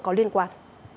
có liên quan